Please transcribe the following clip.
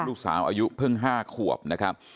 ลูกสาวอายุเพิ่ง๕ขวบนะครับ